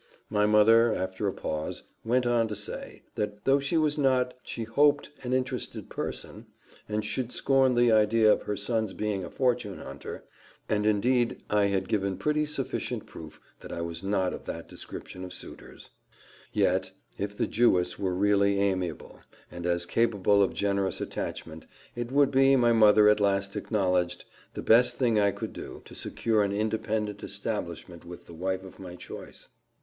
My mother, after a pause, went on to say, that though she was not, she hoped, an interested person, and should scorn the idea of her son's being a fortune hunter and indeed I had given pretty sufficient proof that I was not of that description of suitors; yet, if the Jewess were really amiable, and as capable of generous attachment, it would be, my mother at last acknowledged, the best thing I could do, to secure an independent establishment with the wife of my choice.